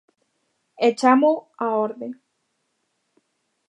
E chámoo á orde.